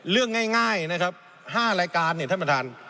เรื่องง่ายนะครับ๕รายการเนี่ยท่านประธาน